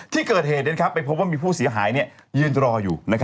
ที่เกิดเหตุไปพบว่ามีผู้เสียหายยืนรออยู่